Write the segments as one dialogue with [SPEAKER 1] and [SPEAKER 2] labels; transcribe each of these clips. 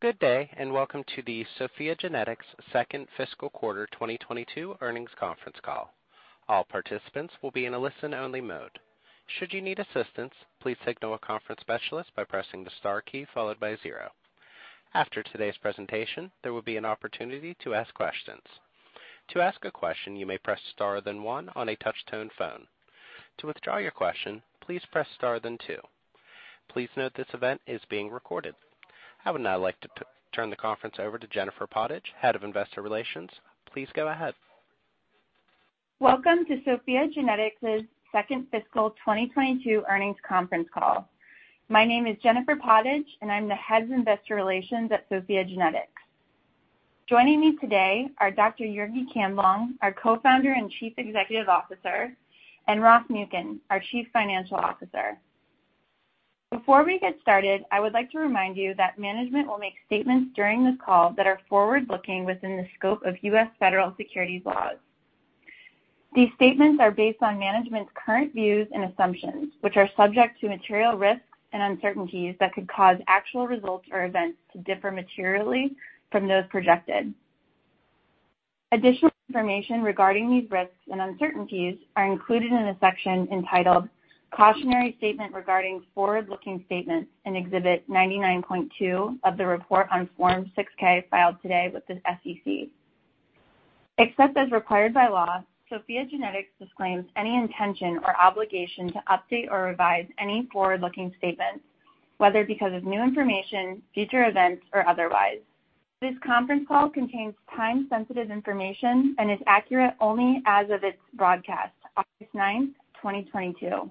[SPEAKER 1] Good day, and welcome to the SOPHiA GENETICS Second Fiscal Quarter 2022 Earnings Conference Call. All participants will be in a listen-only mode. Should you need assistance, please signal a conference specialist by pressing the star key followed by zero. After today's presentation, there will be an opportunity to ask questions. To ask a question, you may press star then one on a touch-tone phone. To withdraw your question, please press star then two. Please note this event is being recorded. I would now like to turn the conference over to Jennifer Pottage, Head of Investor Relations. Please go ahead.
[SPEAKER 2] Welcome to SOPHiA GENETICS Second Fiscal 2022 Earnings Conference Call. My name is Jennifer Pottage, and I'm the Head of Investor Relations at SOPHiA GENETICS. Joining me today are Dr. Jurgi Camblong, our co-founder and Chief Executive Officer, and Ross Muken, our Chief Financial Officer. Before we get started, I would like to remind you that management will make statements during this call that are forward-looking within the scope of U.S. Federal Securities laws. These statements are based on management's current views and assumptions, which are subject to material risks and uncertainties that could cause actual results or events to differ materially from those projected. Additional information regarding these risks and uncertainties are included in a section entitled "Cautionary Statement Regarding Forward-Looking Statements" in Exhibit 99.2 of the report on Form 6-K filed today with the SEC. Except as required by law, SOPHiA GENETICS disclaims any intention or obligation to update or revise any forward-looking statements, whether because of new information, future events, or otherwise. This conference call contains time-sensitive information and is accurate only as of its broadcast, August 9, 2022.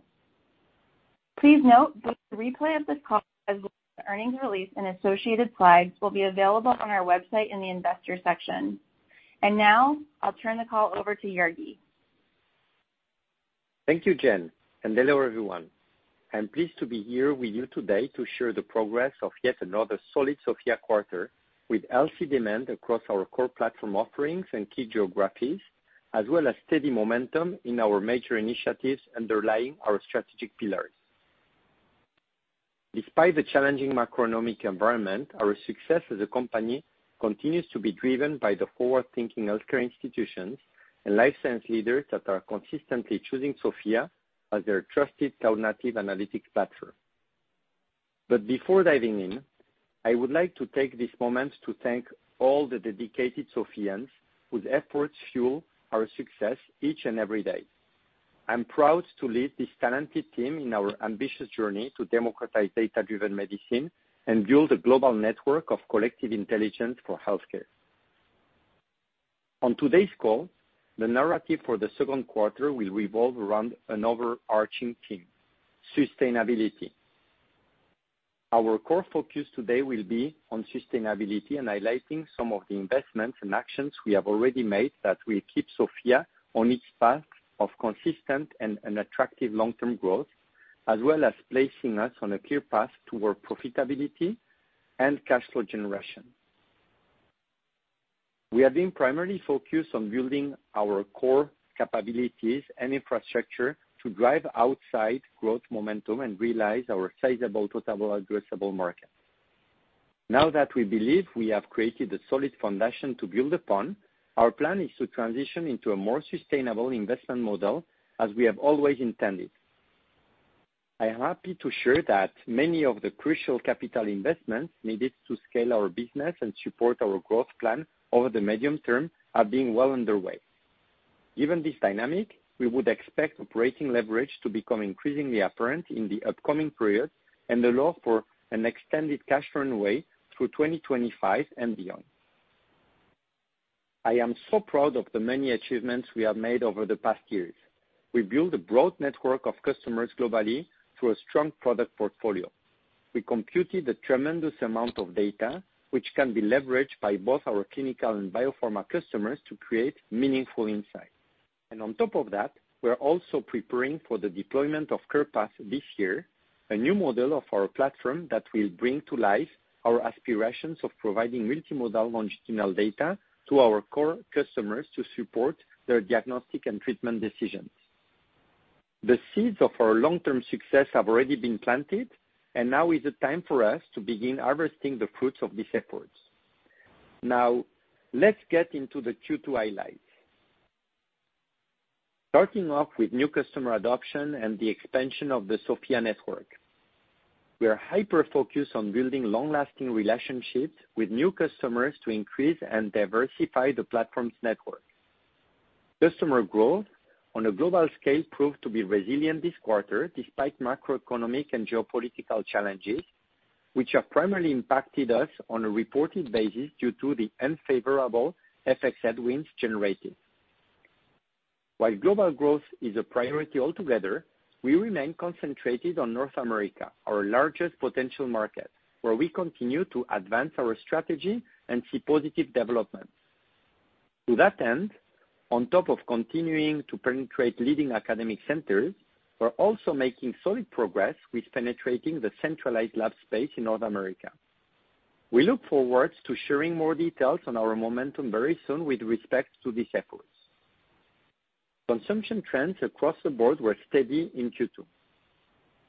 [SPEAKER 2] Please note that the replay of this call, as well as the earnings release and associated slides will be available on our website in the investors section. Now, I'll turn the call over to Jurgi.
[SPEAKER 3] Thank you, Jen, and hello, everyone. I'm pleased to be here with you today to share the progress of yet another solid SOPHiA quarter with healthy demand across our core platform offerings and key geographies, as well as steady momentum in our major initiatives underlying our strategic pillars. Despite the challenging macroeconomic environment, our success as a company continues to be driven by the forward-thinking healthcare institutions and life science leaders that are consistently choosing SOPHiA as their trusted cloud-native analytics platform. Before diving in, I would like to take this moment to thank all the dedicated SOPHiANs whose efforts fuel our success each and every day. I'm proud to lead this talented team in our ambitious journey to democratize data-driven medicine and build a global network of collective intelligence for healthcare. On today's call, the narrative for the second quarter will revolve around an overarching theme: sustainability. Our core focus today will be on sustainability and highlighting some of the investments and actions we have already made that will keep SOPHiA on its path of consistent and attractive long-term growth, as well as placing us on a clear path toward profitability and cash flow generation. We have been primarily focused on building our core capabilities and infrastructure to drive outsized growth momentum and realize our sizable total addressable market. Now that we believe we have created a solid foundation to build upon, our plan is to transition into a more sustainable investment model as we have always intended. I am happy to share that many of the crucial capital investments needed to scale our business and support our growth plan over the medium term are well underway. Given this dynamic, we would expect operating leverage to become increasingly apparent in the upcoming period and allow for an extended cash runway through 2025 and beyond. I am so proud of the many achievements we have made over the past years. We built a broad network of customers globally through a strong product portfolio. We computed a tremendous amount of data, which can be leveraged by both our clinical and biopharma customers to create meaningful insight. On top of that, we're also preparing for the deployment of CarePath this year, a new model of our platform that will bring to life our aspirations of providing multimodal longitudinal data to our core customers to support their diagnostic and treatment decisions. The seeds of our long-term success have already been planted, and now is the time for us to begin harvesting the fruits of these efforts. Now, let's get into the Q2 highlights. Starting off with new customer adoption and the expansion of the SOPHiA network. We are hyper-focused on building long-lasting relationships with new customers to increase and diversify the platform's network. Customer growth on a global scale proved to be resilient this quarter despite macroeconomic and geopolitical challenges, which have primarily impacted us on a reported basis due to the unfavorable FX headwinds generated. While global growth is a priority altogether, we remain concentrated on North America, our largest potential market, where we continue to advance our strategy and see positive developments. To that end, on top of continuing to penetrate leading academic centers, we're also making solid progress with penetrating the centralized lab space in North America. We look forward to sharing more details on our momentum very soon with respect to this effort. Consumption trends across the board were steady in Q2.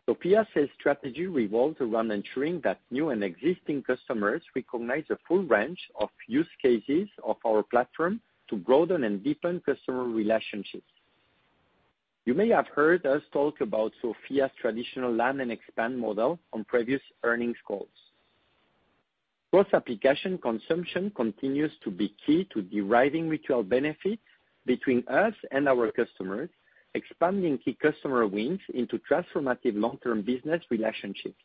[SPEAKER 3] SOPHiA sales strategy revolved around ensuring that new and existing customers recognize the full range of use cases of our platform to broaden and deepen customer relationships. You may have heard us talk about SOPHiA's traditional land and expand model on previous earnings calls. Cross application consumption continues to be key to deriving mutual benefits between us and our customers, expanding key customer wins into transformative long-term business relationships.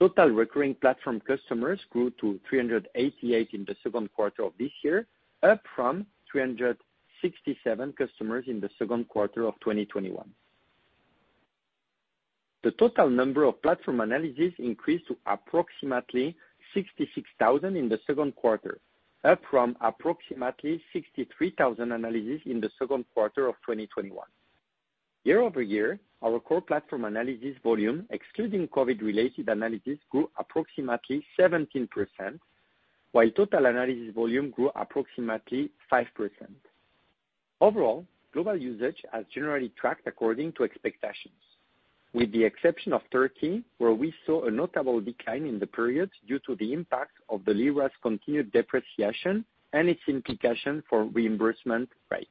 [SPEAKER 3] Total recurring platform customers grew to 388 in the second quarter of this year, up from 367 customers in the second quarter of 2021. The total number of platform analyses increased to approximately 66,000 in the second quarter, up from approximately 63,000 analyses in the second quarter of 2021. Year-over-year, our core platform analysis volume, excluding COVID-related analysis, grew approximately 17%, while total analysis volume grew approximately 5%. Overall, global usage has generally tracked according to expectations, with the exception of Turkey, where we saw a notable decline in the periods due to the impact of the lira's continued depreciation and its implication for reimbursement rates.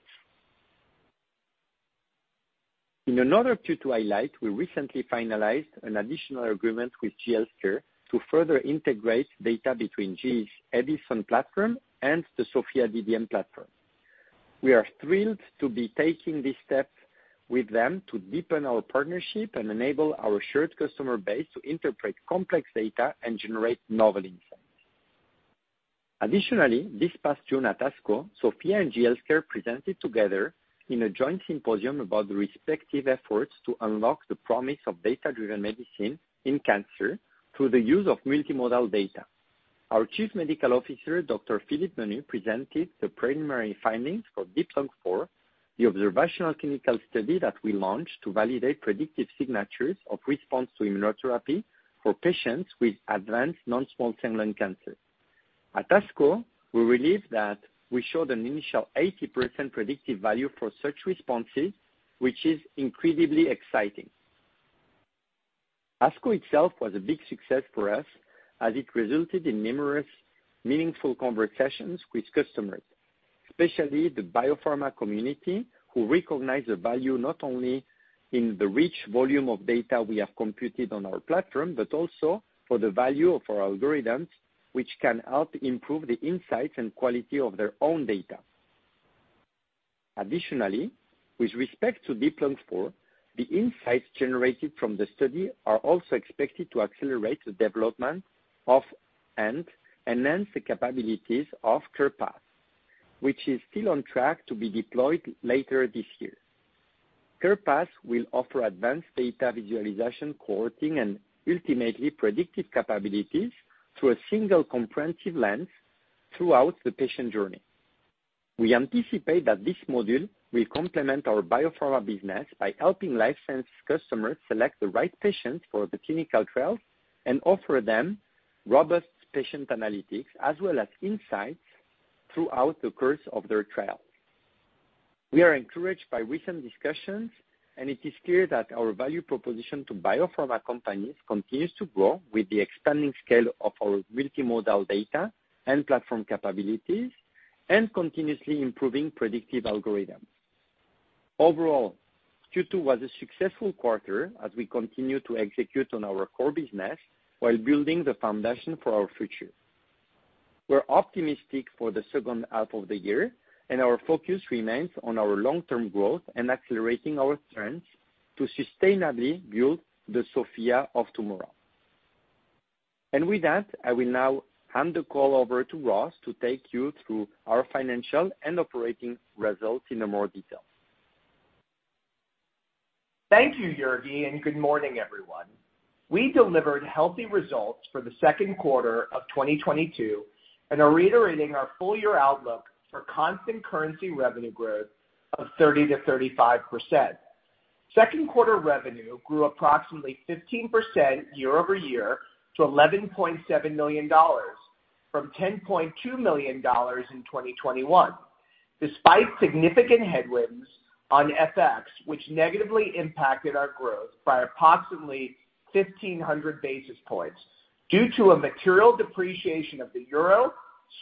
[SPEAKER 3] In another Q2 highlight, we recently finalized an additional agreement with GE Healthcare to further integrate data between GE's Edison platform and the SOPHiA DDM platform. We are thrilled to be taking this step with them to deepen our partnership and enable our shared customer base to interpret complex data and generate novel insights. Additionally, this past June at ASCO, SOPHiA and GE Healthcare presented together in a joint symposium about the respective efforts to unlock the promise of data-driven medicine in cancer through the use of multimodal data. Our chief medical officer, Dr. Philippe Menu presented the preliminary findings for DEEP-Lung-IV, the observational clinical study that we launched to validate predictive signatures of response to immunotherapy for patients with advanced non-small cell lung cancer. At ASCO, we revealed that we showed an initial 80% predictive value for such responses, which is incredibly exciting. ASCO itself was a big success for us as it resulted in numerous meaningful conversations with customers, especially the biopharma community, who recognize the value not only in the rich volume of data we have computed on our platform, but also for the value of our algorithms, which can help improve the insights and quality of their own data. Additionally, with respect to DEEP-Lung-IV, the insights generated from the study are also expected to accelerate the development of and enhance the capabilities of CarePath, which is still on track to be deployed later this year. CarePath will offer advanced data visualization, curation, and ultimately predictive capabilities through a single comprehensive lens throughout the patient journey. We anticipate that this module will complement our biopharma business by helping life science customers select the right patients for the clinical trials and offer them robust patient analytics as well as insights throughout the course of their trial. We are encouraged by recent discussions, and it is clear that our value proposition to biopharma companies continues to grow with the expanding scale of our multimodal data and platform capabilities and continuously improving predictive algorithms. Overall, Q2 was a successful quarter as we continue to execute on our core business while building the foundation for our future. We're optimistic for the second half of the year, and our focus remains on our long-term growth and accelerating our trends to sustainably build the SOPHiA of tomorrow. With that, I will now hand the call over to Ross to take you through our financial and operating results in more detail.
[SPEAKER 4] Thank you, Jurgi, and good morning, everyone. We delivered healthy results for the second quarter of 2022 and are reiterating our full year outlook for constant currency revenue growth of 30%-35%. Second quarter revenue grew approximately 15% year-over-year to $11.7 million from $10.2 million in 2021, despite significant headwinds on FX which negatively impacted our growth by approximately 1,500 basis points due to a material depreciation of the Euro,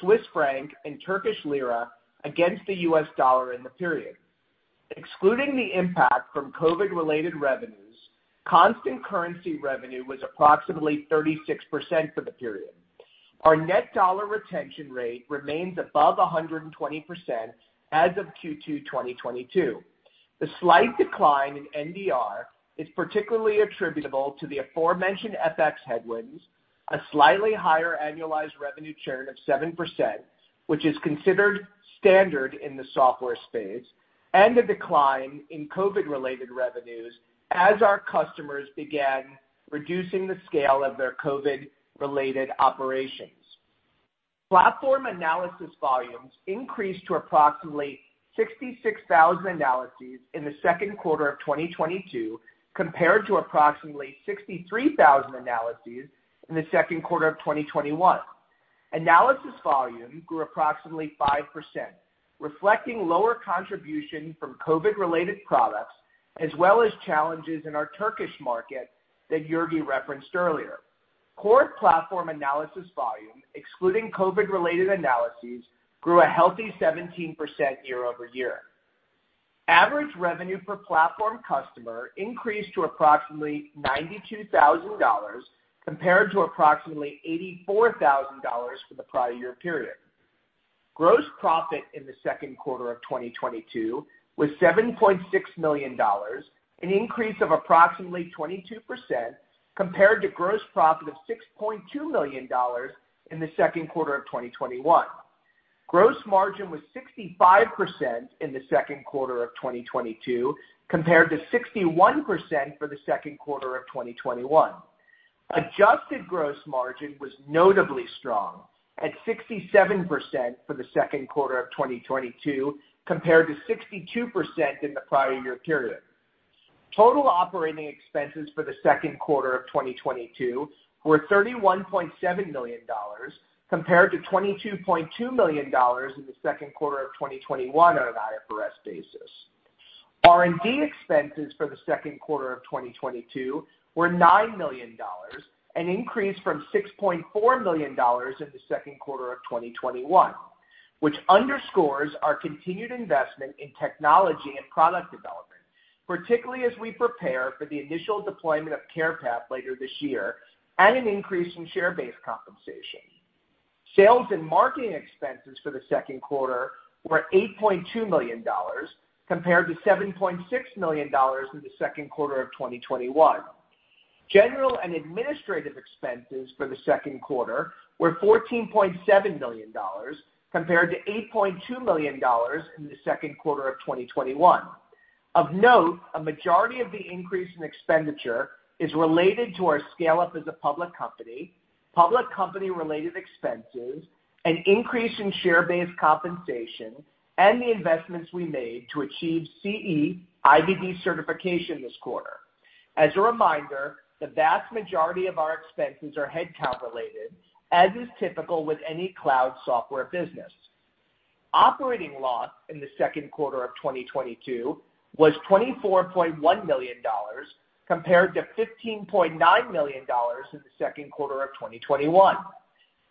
[SPEAKER 4] Swiss franc, and Turkish lira against the US dollar in the period. Excluding the impact from COVID-related revenues, constant currency revenue was approximately 36% for the period. Our net dollar retention rate remains above 120% as of Q2 2022. The slight decline in NDR is particularly attributable to the aforementioned FX headwinds, a slightly higher annualized revenue churn of 7%, which is considered standard in the software space, and a decline in COVID-related revenues as our customers began reducing the scale of their COVID-related operations. Platform analysis volumes increased to approximately 66,000 analyses in the second quarter of 2022, compared to approximately 63,000 analyses in the second quarter of 2021. Analysis volume grew approximately 5%, reflecting lower contribution from COVID related products as well as challenges in our Turkish market that Jurgi referenced earlier. Core platform analysis volume, excluding COVID related analyses, grew a healthy 17% year-over-year. Average revenue per platform customer increased to approximately $92,000 compared to approximately $84,000 for the prior year period. Gross profit in the second quarter of 2022 was $7.6 million, an increase of approximately 22% compared to gross profit of $6.2 million in the second quarter of 2021. Gross margin was 65% in the second quarter of 2022 compared to 61% for the second quarter of 2021. Adjusted gross margin was notably strong at 67% for the second quarter of 2022 compared to 62% in the prior year period. Total operating expenses for the second quarter of 2022 were $31.7 million compared to $22.2 million in the second quarter of 2021 on an IFRS basis. R&D expenses for the second quarter of 2022 were $9 million, an increase from $6.4 million in the second quarter of 2021, which underscores our continued investment in technology and product development, particularly as we prepare for the initial deployment of CarePath later this year, and an increase in share-based compensation. Sales and marketing expenses for the second quarter were $8.2 million compared to $7.6 million in the second quarter of 2021. General and administrative expenses for the second quarter were $14.7 million compared to $8.2 million in the second quarter of 2021. Of note, a majority of the increase in expenditure is related to our scale up as a public company, public company related expenses, an increase in share-based compensation, and the investments we made to achieve CE-IVD certification this quarter. As a reminder, the vast majority of our expenses are headcount related, as is typical with any cloud software business. Operating loss in the second quarter of 2022 was $24.1 million compared to $15.9 million in the second quarter of 2021.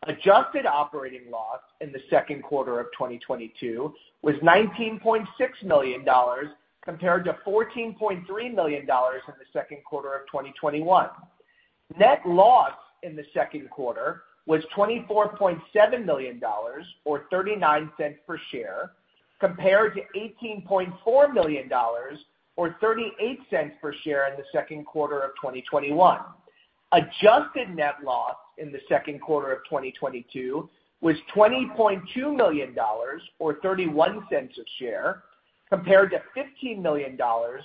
[SPEAKER 4] Adjusted operating loss in the second quarter of 2022 was $19.6 million compared to $14.3 million in the second quarter of 2021. Net loss in the second quarter was $24.7 million or $0.39 per share compared to $18.4 million or $0.38 per share in the second quarter of 2021. Adjusted net loss in the second quarter of 2022 was $20.2 million or $0.31 a share compared to $15 million or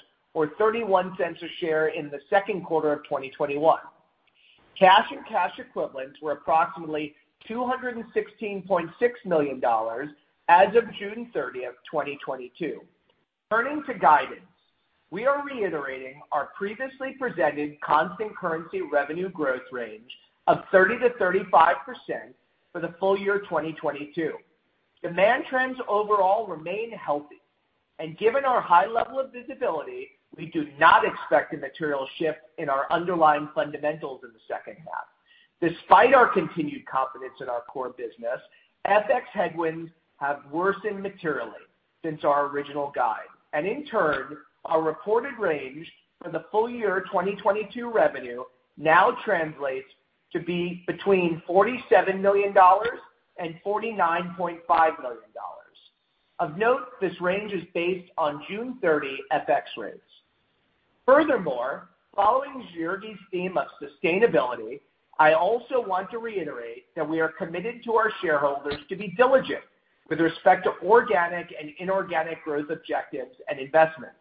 [SPEAKER 4] $0.31 a share in the second quarter of 2021. Cash and cash equivalents were approximately $216.6 million as of June 30, 2022. Turning to guidance, we are reiterating our previously presented constant currency revenue growth range of 30%-35% for the full year 2022. Demand trends overall remain healthy, and given our high level of visibility, we do not expect a material shift in our underlying fundamentals in the second half. Despite our continued confidence in our core business, FX headwinds have worsened materially since our original guide, and in turn, our reported range for the full year 2022 revenue now translates to be between $47 million and $49.5 million. Of note, this range is based on June 30 FX rates. Furthermore, following Jurgi's theme of sustainability, I also want to reiterate that we are committed to our shareholders to be diligent with respect to organic and inorganic growth objectives and investments.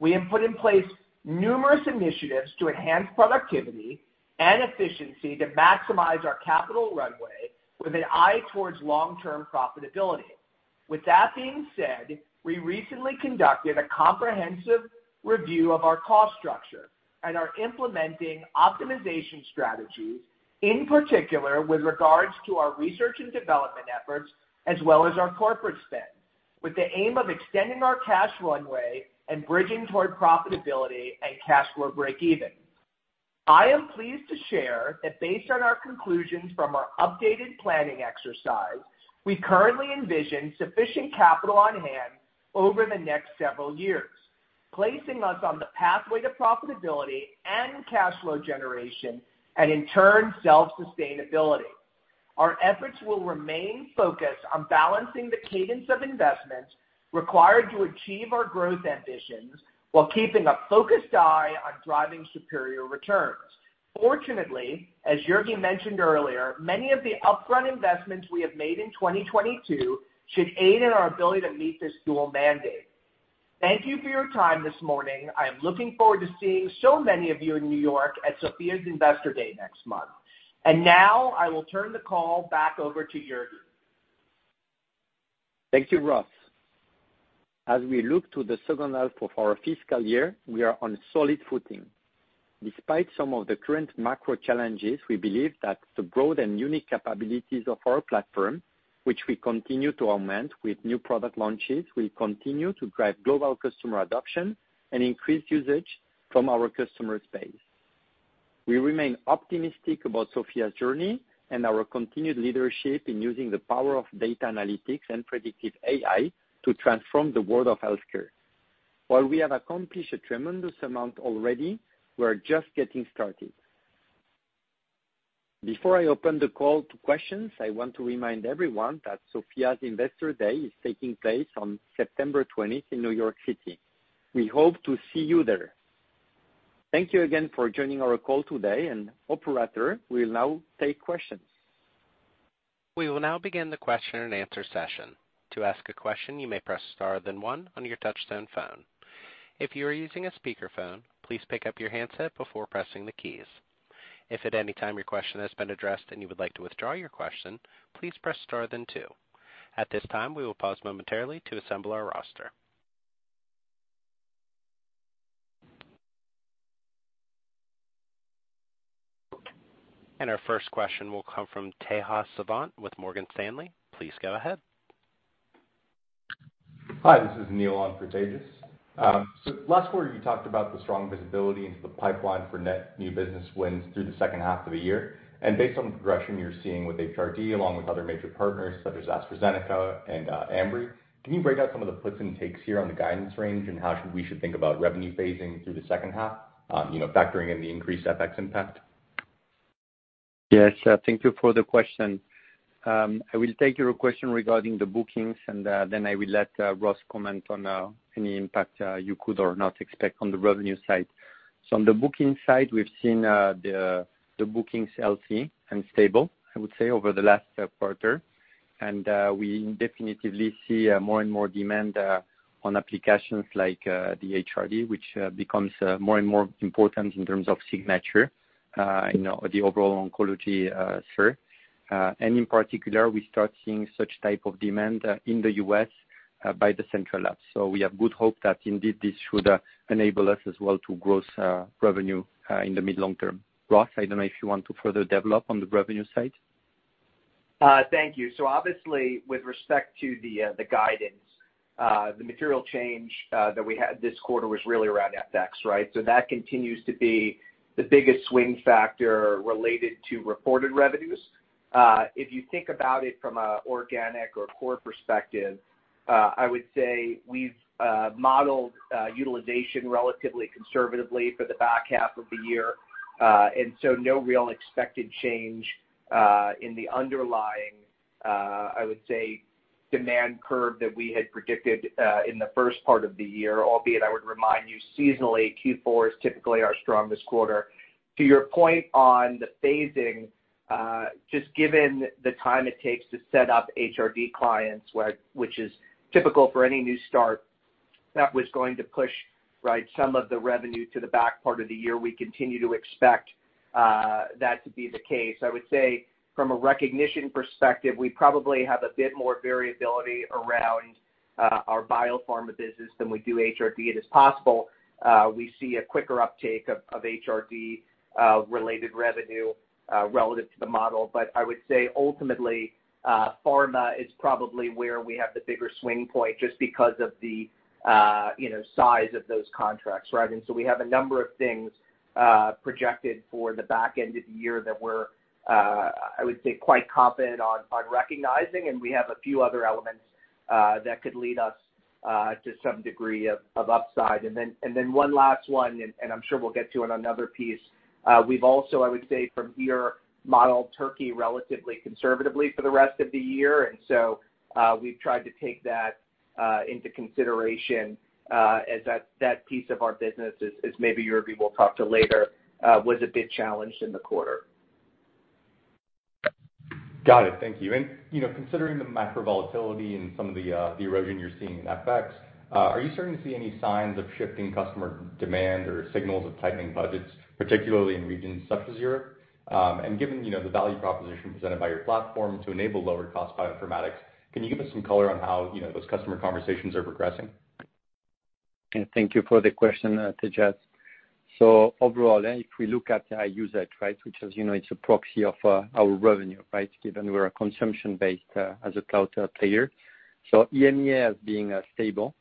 [SPEAKER 4] We have put in place numerous initiatives to enhance productivity and efficiency to maximize our capital runway with an eye towards long-term profitability. With that being said, we recently conducted a comprehensive review of our cost structure and are implementing optimization strategies, in particular with regards to our research and development efforts as well as our corporate spend, with the aim of extending our cash runway and bridging toward profitability and cash flow breakeven. I am pleased to share that based on our conclusions from our updated planning exercise, we currently envision sufficient capital on hand over the next several years, placing us on the pathway to profitability and cash flow generation and in turn, self-sustainability. Our efforts will remain focused on balancing the cadence of investments required to achieve our growth ambitions while keeping a focused eye on driving superior returns. Fortunately, as Jurgi mentioned earlier, many of the upfront investments we have made in 2022 should aid in our ability to meet this dual mandate. Thank you for your time this morning. I am looking forward to seeing so many of you in New York at SOPHiA's Investor Day next month. Now I will turn the call back over to Jurgi.
[SPEAKER 3] Thank you, Ross. As we look to the second half of our fiscal year, we are on solid footing. Despite some of the current macro challenges, we believe that the broad and unique capabilities of our platform, which we continue to augment with new product launches, will continue to drive global customer adoption and increase usage from our customer base. We remain optimistic about SOPHiA's journey and our continued leadership in using the power of data analytics and predictive AI to transform the world of healthcare. While we have accomplished a tremendous amount already, we're just getting started. Before I open the call to questions, I want to remind everyone that SOPHiA's Investor Day is taking place on September 20th in New York City. We hope to see you there. Thank you again for joining our call today, and operator, we'll now take questions.
[SPEAKER 1] We will now begin the question and answer session. To ask a question, you may press star then one on your touchtone phone. If you are using a speakerphone, please pick up your handset before pressing the keys. If at any time your question has been addressed and you would like to withdraw your question, please press star then two. At this time, we will pause momentarily to assemble our roster. Our first question will come from Tejas Savant with Morgan Stanley. Please go ahead.
[SPEAKER 5] Hi, this is Neil on for Tejas. Last quarter you talked about the strong visibility into the pipeline for net new business wins through the second half of the year. Based on the progression you're seeing with HRD along with other major partners such as AstraZeneca and Ambry, can you break out some of the puts and takes here on the guidance range and how we should think about revenue phasing through the second half, you know, factoring in the increased FX impact?
[SPEAKER 3] Yes, thank you for the question. I will take your question regarding the bookings and then I will let Ross comment on any impact you could or not expect on the revenue side. On the booking side, we've seen the bookings healthy and stable, I would say, over the last quarter. We definitely see more and more demand on applications like the HRD, which becomes more and more important in terms of signature in the overall oncology. In particular, we start seeing such type of demand in the U.S. by the central lab. We have good hope that indeed this should enable us as well to grow revenue in the mid long term. Ross, I don't know if you want to further develop on the revenue side.
[SPEAKER 4] Thank you. Obviously, with respect to the guidance, the material change that we had this quarter was really around FX, right? That continues to be the biggest swing factor related to reported revenues. If you think about it from an organic or core perspective, I would say we've modeled utilization relatively conservatively for the back half of the year. No real expected change in the underlying demand curve that we had predicted in the first part of the year, albeit I would remind you seasonally, Q4 is typically our strongest quarter. To your point on the phasing, just given the time it takes to set up HRD clients, which is typical for any new start, that was going to push some of the revenue to the back part of the year. We continue to expect that to be the case. I would say from a recognition perspective, we probably have a bit more variability around our biopharma business than we do HRD. It is possible we see a quicker uptake of HRD related revenue relative to the model. But I would say ultimately, pharma is probably where we have the bigger swing point just because of the you know size of those contracts. We have a number of things projected for the back end of the year that we're, I would say quite confident on recognizing, and we have a few other elements that could lead us to some degree of upside. Then one last one, and I'm sure we'll get to in another piece. We've also, I would say from here, modeled Turkey relatively conservatively for the rest of the year. We've tried to take that into consideration, as that piece of our business, as maybe Jurgi will talk to later, was a bit challenged in the quarter.
[SPEAKER 5] Got it. Thank you. You know, considering the macro volatility and some of the the erosion you're seeing in FX, are you starting to see any signs of shifting customer demand or signals of tightening budgets, particularly in regions such as Europe? Given, you know, the value proposition presented by your platform to enable lower cost bioinformatics, can you give us some color on how, you know, those customer conversations are progressing?
[SPEAKER 3] Yeah. Thank you for the question, Neil. Overall, if we look at our usage, right, which is, you know, it's a proxy of, our revenue, right? Given we're a consumption-based, as a cloud, player. EMEA as being, stable,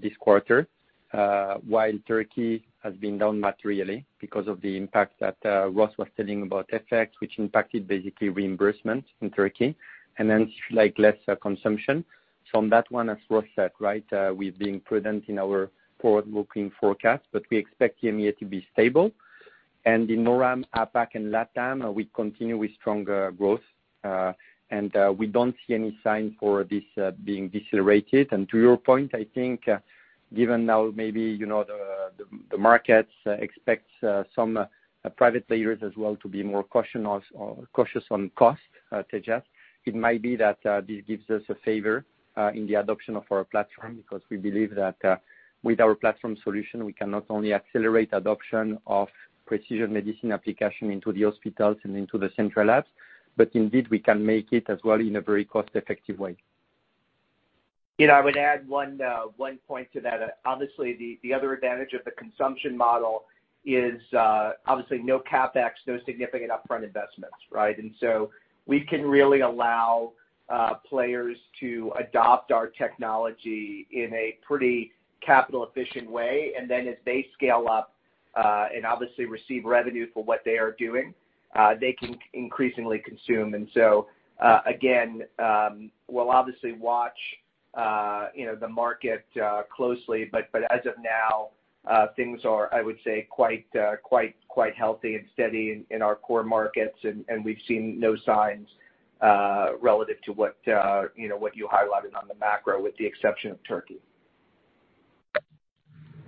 [SPEAKER 3] this quarter, while Turkey has been down materially because of the impact that, Ross was telling about FX, which impacted basically reimbursement in Turkey, and then like less consumption. From that one, as Ross said, right, we've been prudent in our forward-looking forecast, but we expect EMEA to be stable. In NORAM, APAC and LATAM, we continue with stronger growth, and, we don't see any sign for this, being decelerated. To your point, I think, given now maybe you know the markets expect some private players as well to be more cautious on cost, Tejas, it might be that this gives us a favor in the adoption of our platform. Because we believe that with our platform solution, we can not only accelerate adoption of precision medicine application into the hospitals and into the central labs, but indeed we can make it as well in a very cost-effective way.
[SPEAKER 4] You know, I would add one point to that. Obviously the other advantage of the consumption model is obviously no CapEx, no significant upfront investments, right? We can really allow players to adopt our technology in a pretty capital efficient way. As they scale up and obviously receive revenue for what they are doing, they can increasingly consume. Again, we'll obviously watch you know, the market closely. But as of now, things are, I would say, quite healthy and steady in our core markets and we've seen no signs relative to what you know, what you highlighted on the macro with the exception of Turkey.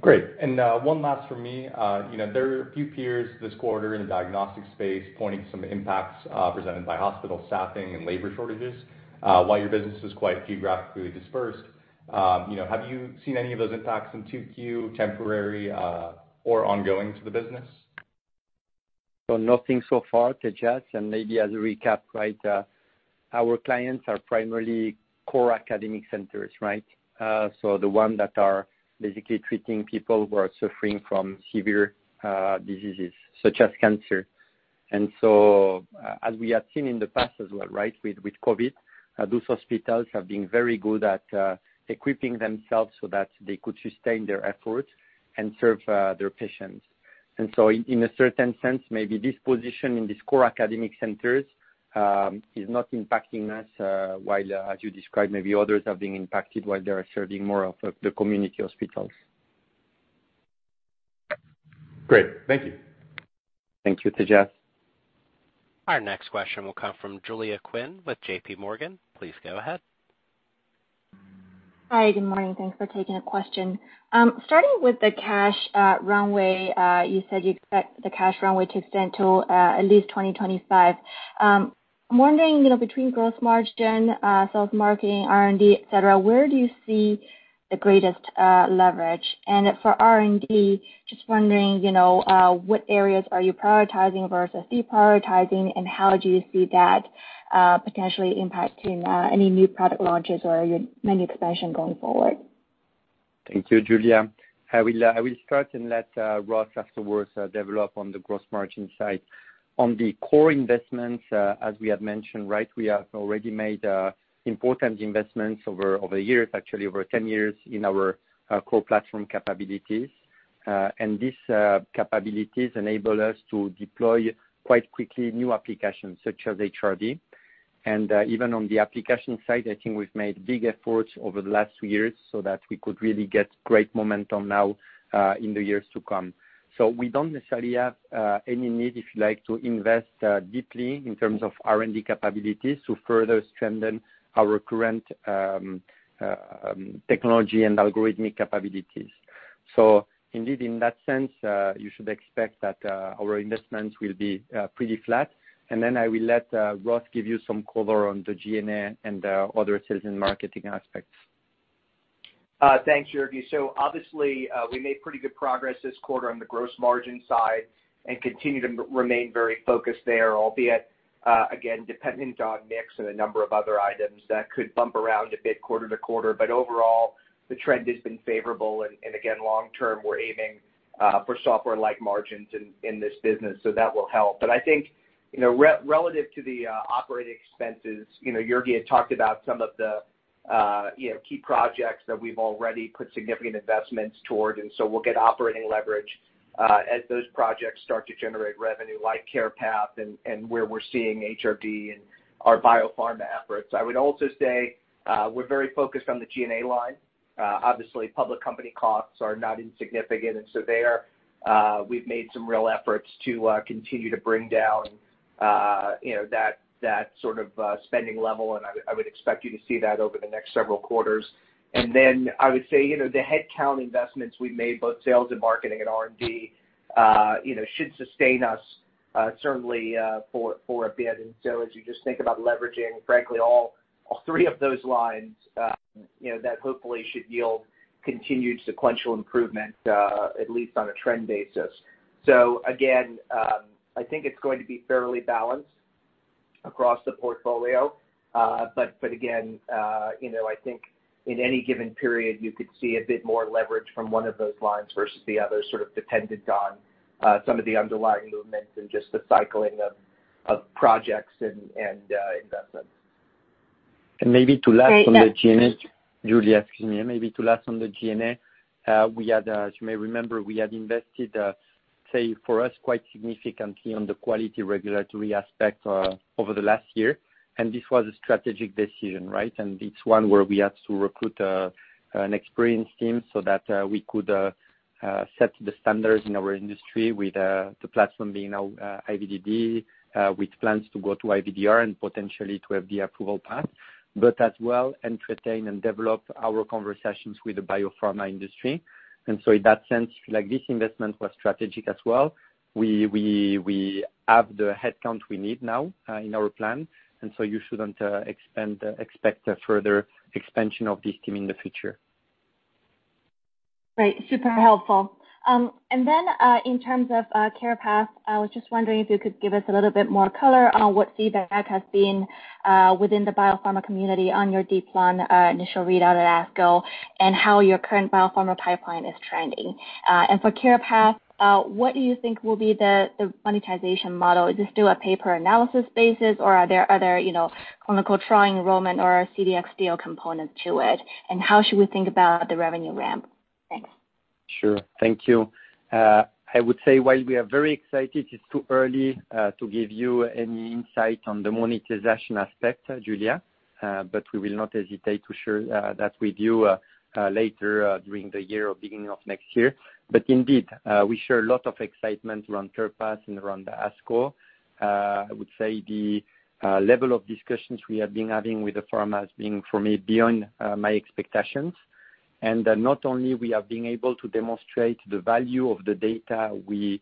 [SPEAKER 5] Great. One last from me. You know, there are a few peers this quarter in the diagnostic space pointing to some impacts presented by hospital staffing and labor shortages. While your business is quite geographically dispersed, you know, have you seen any of those impacts in 2Q temporary or ongoing to the business?
[SPEAKER 3] Nothing so far, Neil. Maybe as a recap, right? Our clients are primarily core academic centers, right? The one that are basically treating people who are suffering from severe diseases such as cancer. As we have seen in the past as well, right, with COVID, those hospitals have been very good at equipping themselves so that they could sustain their efforts and serve their patients. In a certain sense, maybe this position in these core academic centers is not impacting us, while, as you described, maybe others have been impacted while they're serving more of the community hospitals.
[SPEAKER 5] Great. Thank you.
[SPEAKER 3] Thank you, Neil.
[SPEAKER 1] Our next question will come from Julia Qin with JPMorgan. Please go ahead.
[SPEAKER 6] Hi, good morning. Thanks for taking the question. Starting with the cash runway, you said you expect the cash runway to extend to at least 2025. I'm wondering, you know, between gross margin, sales and marketing, R&D, et cetera, where do you see the greatest leverage? For R&D, just wondering, you know, what areas are you prioritizing versus deprioritizing, and how do you see that potentially impacting any new product launches or your menu expansion going forward?
[SPEAKER 3] Thank you, Julia. I will start and let Ross afterwards develop on the gross margin side. On the core investments, as we have mentioned, right? We have already made important investments over years, actually over 10 years in our core platform capabilities. These capabilities enable us to deploy quite quickly new applications such as HRD. Even on the application side, I think we've made big efforts over the last few years so that we could really get great momentum now in the years to come. We don't necessarily have any need, if you like, to invest deeply in terms of R&D capabilities to further strengthen our current technology and algorithmic capabilities. Indeed in that sense, you should expect that our investments will be pretty flat. I will let Ross give you some color on the G&A and the other sales and marketing aspects.
[SPEAKER 4] Thanks, Jurgi. Obviously, we made pretty good progress this quarter on the gross margin side and continue to remain very focused there, albeit, again, dependent on mix and a number of other items that could bump around a bit quarter to quarter. Overall, the trend has been favorable and again, long term, we're aiming for software-like margins in this business, so that will help. I think, you know, relative to the operating expenses, you know, Jurgi had talked about some of the key projects that we've already put significant investments toward, and so we'll get operating leverage as those projects start to generate revenue like CarePath and where we're seeing HRD and our biopharma efforts. I would also say, we're very focused on the G&A line. Obviously public company costs are not insignificant, and so there, we've made some real efforts to continue to bring down, you know, that sort of spending level and I would expect you to see that over the next several quarters. Then I would say, you know, the headcount investments we've made, both sales and marketing and R&D, you know, should sustain us, certainly, for a bit. As you just think about leveraging, frankly all three of those lines, you know, that hopefully should yield continued sequential improvement, at least on a trend basis. Again, I think it's going to be fairly balanced across the portfolio. Again, you know, I think in any given period you could see a bit more leverage from one of those lines versus the other, sort of dependent on some of the underlying movements and just the cycling of investments.
[SPEAKER 3] Maybe to last on the G&A.
[SPEAKER 6] Great.
[SPEAKER 3] Julia, excuse me. Maybe the last on the G&A, we had, as you may remember, we had invested, say for us, quite significantly on the quality regulatory aspect, over the last year, and this was a strategic decision, right? It's one where we had to recruit, an experienced team so that, we could, set the standards in our industry with, the platform being, IVDD, with plans to go to IVDR and potentially to have the approval path, but as well entertain and develop our conversations with the biopharma industry. In that sense, like this investment was strategic as well. We have the headcount we need now, in our plan, and so you shouldn't, expect a further expansion of this team in the future.
[SPEAKER 6] Great, super helpful. Then, in terms of CarePath, I was just wondering if you could give us a little bit more color on what feedback has been within the biopharma community on your DEEP-Lung-IV initial readout at ASCO, and how your current biopharma pipeline is trending. For CarePath, what do you think will be the monetization model? Is this through a per analysis basis, or are there other, you know, clinical trial enrollment or CDx deal component to it? How should we think about the revenue ramp? Thanks.
[SPEAKER 3] Sure. Thank you. I would say while we are very excited, it's too early to give you any insight on the monetization aspect, Julia, but we will not hesitate to share that with you later during the year or beginning of next year. Indeed, we share a lot of excitement around CarePath and around the ASCO. I would say the level of discussions we have been having with the pharma has been, for me, beyond my expectations. Not only we have been able to demonstrate the value of the data we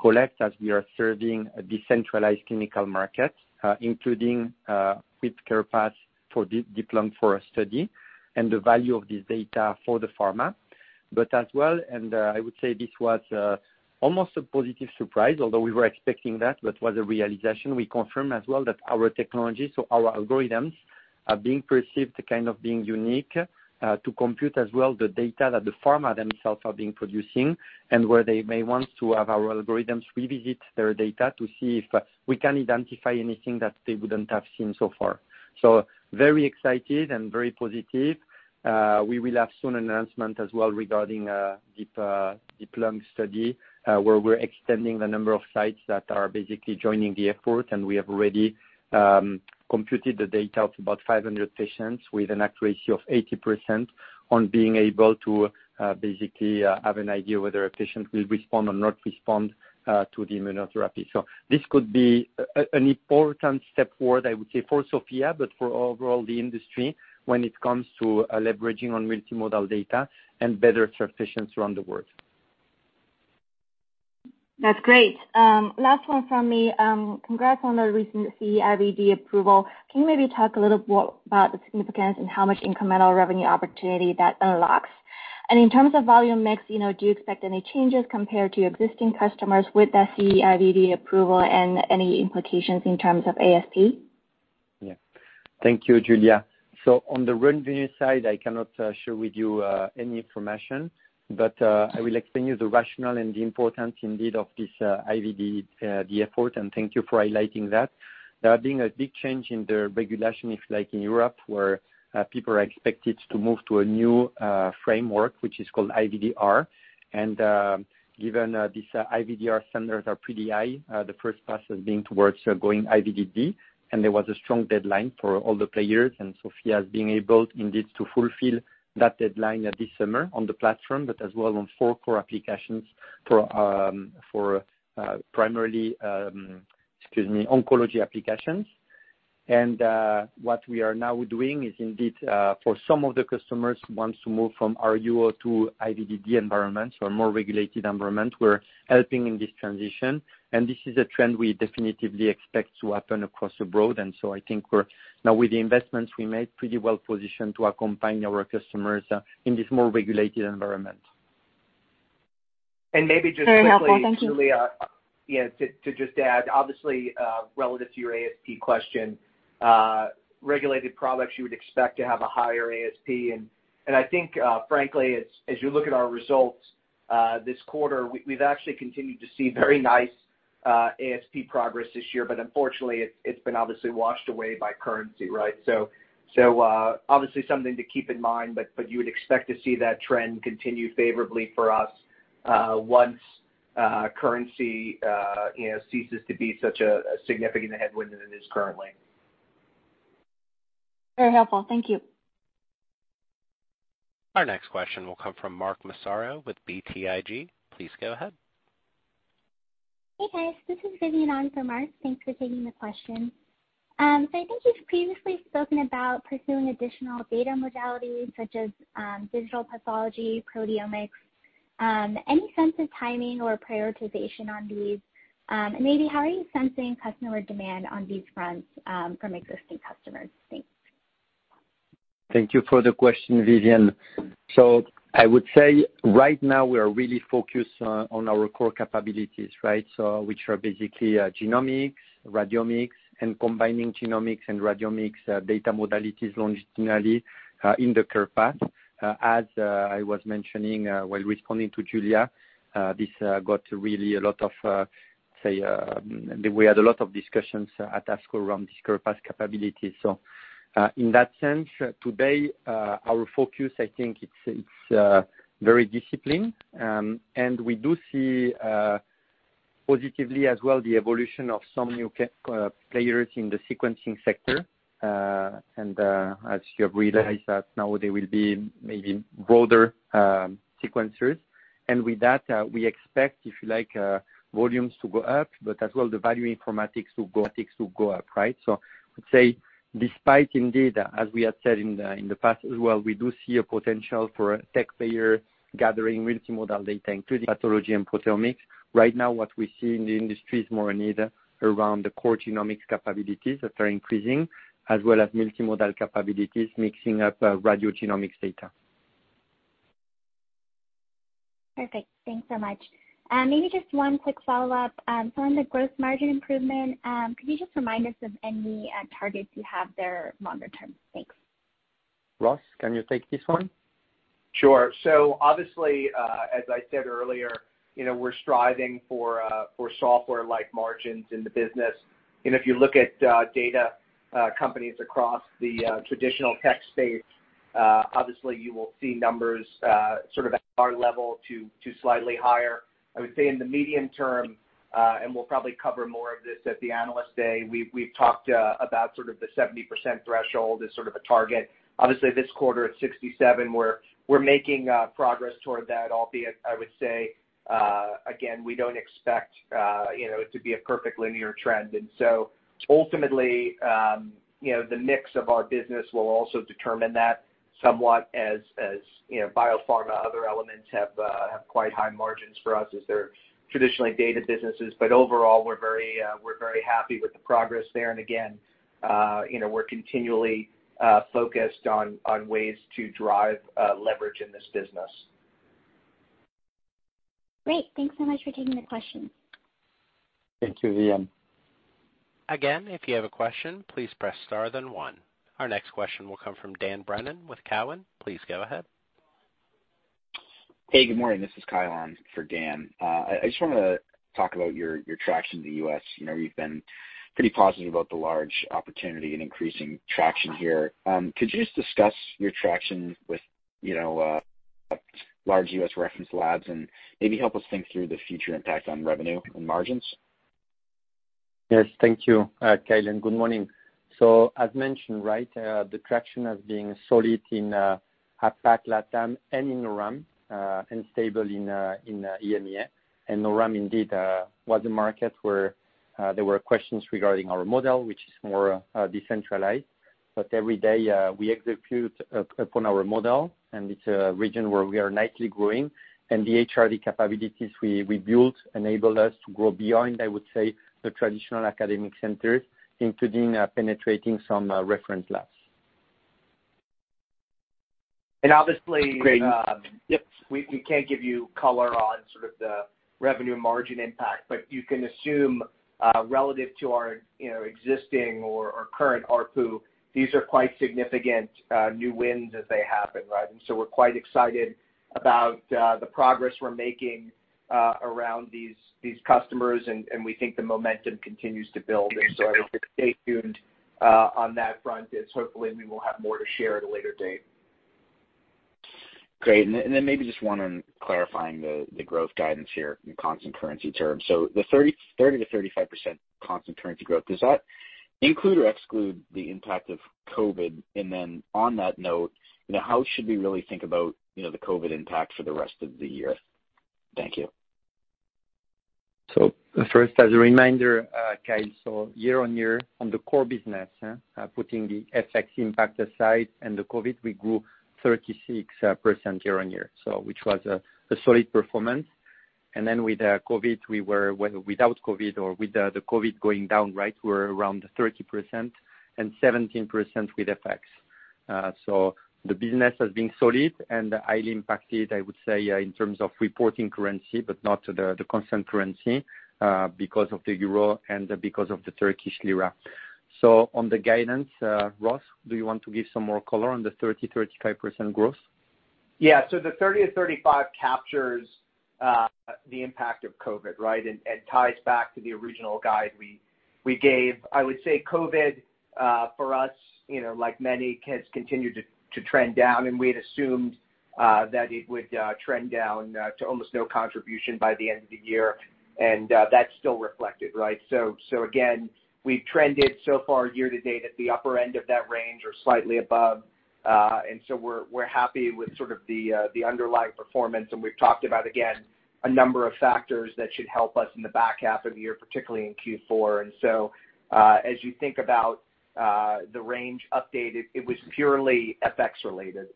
[SPEAKER 3] collect as we are serving a decentralized clinical market, including with CarePath for DEEP-Lung for a study, and the value of this data for the pharma. I would say this was almost a positive surprise, although we were expecting that, but was a realization we confirmed as well that our technology, so our algorithms, are being perceived kind of being unique to compute as well the data that the pharma themselves are being producing, and where they may want to have our algorithms revisit their data to see if we can identify anything that they wouldn't have seen so far. Very excited and very positive. We will have soon announcement as well regarding deep lung study, where we're extending the number of sites that are basically joining the effort, and we have already computed the data of about 500 patients with an accuracy of 80% on being able to basically have an idea whether a patient will respond or not respond to the immunotherapy. This could be an important step forward, I would say, for SOPHiA, but for overall the industry when it comes to leveraging on multimodal data and better care for patients around the world.
[SPEAKER 6] That's great. Last one from me. Congrats on the recent CE-IVD approval. Can you maybe talk a little more about the significance and how much incremental revenue opportunity that unlocks? In terms of volume mix, you know, do you expect any changes compared to existing customers with the CE-IVD approval and any implications in terms of ASP?
[SPEAKER 3] Yeah. Thank you, Julia. On the revenue side, I cannot share with you any information, but I will explain you the rationale and the importance indeed of this IVD, the effort, and thank you for highlighting that. There are being a big change in the regulation, if like in Europe, where people are expected to move to a new framework, which is called IVDR. Given these IVDR standards are pretty high, the first pass has been towards going IVDD, and there was a strong deadline for all the players, and SOPHiA has been able indeed to fulfill that deadline this summer on the platform, but as well on four core applications for primarily, excuse me, oncology applications. What we are now doing is indeed, for some of the customers who wants to move from RUO to IVDD environments or more regulated environment, we're helping in this transition, and this is a trend we definitely expect to happen across the board. I think we're now with the investments we made pretty well positioned to accompany our customers, in this more regulated environment.
[SPEAKER 6] Very helpful. Thank you.
[SPEAKER 3] Maybe just quickly, Julia, yeah, to just add, obviously, relative to your ASP question, regulated products you would expect to have a higher ASP. I think, frankly, as you look at our results this quarter, we've actually continued to see very nice ASP progress this year, but unfortunately, it's been obviously washed away by currency, right? Obviously something to keep in mind, but you would expect to see that trend continue favorably for us once currency you know ceases to be such a significant headwind than it is currently.
[SPEAKER 6] Very helpful. Thank you.
[SPEAKER 1] Our next question will come from Mark Massaro with BTIG. Please go ahead.
[SPEAKER 7] Hey, guys. This is Vivian on for Mark. Thanks for taking the question. I think you've previously spoken about pursuing additional data modalities such as digital pathology, proteomics. Any sense of timing or prioritization on these? Maybe how are you sensing customer demand on these fronts, from existing customers? Thanks.
[SPEAKER 3] Thank you for the question, Vivian. I would say right now we are really focused on our core capabilities, right? Which are basically genomics, radiomics, and combining genomics and radiomics data modalities longitudinally in the CarePath. As I was mentioning while responding to Julia, this got really a lot of play. We had a lot of discussions at ASCO around this CarePath capability. In that sense, today our focus, I think it's very disciplined. We do see positively as well the evolution of some new players in the sequencing sector. As you have realized that now there will be maybe broader sequencers. We expect, if you like, volumes to go up, but as well the value informatics to go up, right? I would say despite indeed, as we have said in the past as well, we do see a potential for a tech player gathering multimodal data, including pathology and proteomics. Right now, what we see in the industry is more a need around the core genomics capabilities that are increasing, as well as multimodal capabilities, mixing up radiogenomics data.
[SPEAKER 7] Perfect. Thanks so much. Maybe just one quick follow-up, on the growth margin improvement. Could you just remind us of any, targets you have there longer term? Thanks.
[SPEAKER 3] Ross, can you take this one?
[SPEAKER 4] Sure. Obviously, as I said earlier, you know, we're striving for software-like margins in the business. If you look at data companies across the traditional tech space, obviously you will see numbers sort of at our level to slightly higher. I would say in the medium term, and we'll probably cover more of this at the Analyst Day, we've talked about sort of the 70% threshold as sort of a target. Obviously, this quarter at 67%, we're making progress toward that, albeit, I would say, again, we don't expect, you know, it to be a perfect linear trend. Ultimately, you know, the mix of our business will also determine that somewhat as you know, biopharma, other elements have quite high margins for us as they're traditionally data businesses. Overall, we're very happy with the progress there. Again, you know, we're continually focused on ways to drive leverage in this business.
[SPEAKER 7] Great. Thanks so much for taking the question.
[SPEAKER 3] Thank you, Vivian.
[SPEAKER 1] Again, if you have a question, please press star then one. Our next question will come from Dan Brennan with Cowen. Please go ahead.
[SPEAKER 8] Hey, good morning. This is Kyle for Dan. I just wanna talk about your traction in the U.S. You know, you've been pretty positive about the large opportunity and increasing traction here. Could you just discuss your traction with, you know, large U.S. reference labs and maybe help us think through the future impact on revenue and margins?
[SPEAKER 3] Yes, thank you, Kyle. Good morning. As mentioned, right, the traction has been solid in APAC, LATAM, and in NORAM, and stable in EMEA. The NORAM indeed was a market where there were questions regarding our model, which is more decentralized. Every day we execute upon our model, and it's a region where we are nicely growing. The HRD capabilities we built enable us to grow beyond, I would say, the traditional academic centers, including penetrating some reference labs.
[SPEAKER 4] Obviously.
[SPEAKER 3] Great. Yep.
[SPEAKER 4] We can't give you color on sort of the revenue margin impact, but you can assume, relative to our, you know, existing or our current ARPU, these are quite significant new wins as they happen, right? We're quite excited about the progress we're making around these customers and we think the momentum continues to build. I would say stay tuned on that front as hopefully we will have more to share at a later date.
[SPEAKER 8] Great. Maybe just one on clarifying the growth guidance here in constant currency terms. The 30%-35% constant currency growth, does that include or exclude the impact of COVID? On that note, you know, how should we really think about, you know, the COVID impact for the rest of the year? Thank you.
[SPEAKER 3] First, as a reminder, Kyle, year-over-year on the core business, putting the FX impact aside and the COVID, we grew 36% year-over-year, which was a solid performance. Then with COVID, without COVID or with the COVID going down, right, we're around 30% and 17% with FX. The business has been solid and highly impacted, I would say, in terms of reporting currency, but not the constant currency, because of the euro and because of the Turkish lira. On the guidance, Ross, do you want to give some more color on the 30%-35% growth?
[SPEAKER 4] The 30-35 captures the impact of COVID, right? It ties back to the original guide we gave. I would say COVID for us, like many, has continued to trend down, and we had assumed that it would trend down to almost no contribution by the end of the year. That's still reflected, right? Again, we've trended so far year to date at the upper end of that range or slightly above. We're happy with sort of the underlying performance. We've talked about, again, a number of factors that should help us in the back half of the year, particularly in Q4. As you think about the range updated, it was purely FX-related,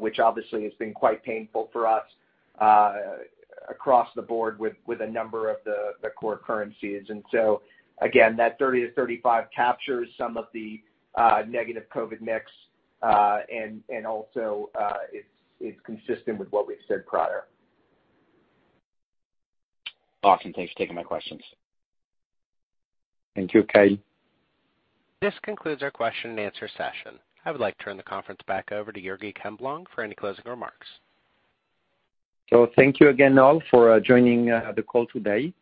[SPEAKER 4] which obviously has been quite painful for us across the board with a number of the core currencies. That 30-35 captures some of the negative COVID mix. And also, it's consistent with what we've said prior.
[SPEAKER 8] Awesome. Thanks for taking my questions.
[SPEAKER 3] Thank you, Kyle.
[SPEAKER 1] This concludes our question and answer session. I would like to turn the conference back over to Jurgi Camblong for any closing remarks.
[SPEAKER 3] Thank you again all for joining the call today.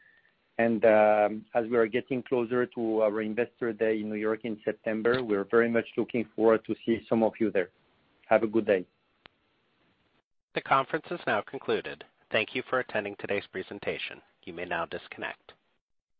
[SPEAKER 3] As we are getting closer to our Investor Day in New York in September, we are very much looking forward to see some of you there. Have a good day.
[SPEAKER 1] The conference is now concluded. Thank you for attending today's presentation. You may now disconnect.